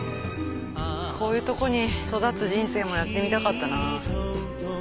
こういうとこに育つ人生もやってみたかったな。